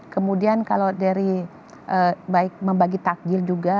kemudian kalau dari baik membagi takjil juga